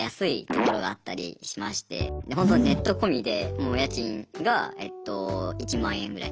ホントネット込みでもう家賃がえっと１万円ぐらい。